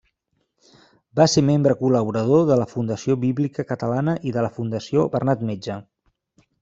Va ser membre col·laborador de la Fundació Bíblica Catalana i de la Fundació Bernat Metge.